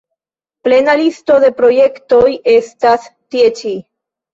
Plena listo de projektoj estas tie ĉi.